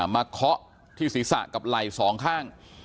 เคาะที่ศีรษะกับไหล่สองข้าง